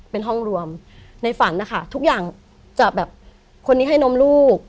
เป็นห้องรวมในฝันนะคะทุกอย่างจะแบบคนนี้ให้นมลูก